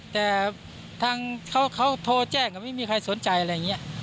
แต่ทางเขาโทรแจ้งไม่มีใครสนใจอะไรอย่างนี้